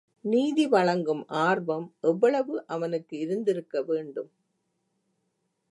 நீதி வழங்கும் ஆர்வம் எவ்வளவு அவனுக்கு இருந்திருக்க வேண்டும்?